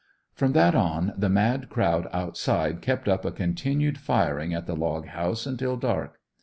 From that on, the mad crowd outside kept up a continued firing at the log house until dark.